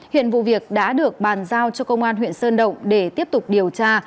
hiện vụ việc đã được bàn giao cho công an huyện sơn động để tiếp tục điều tra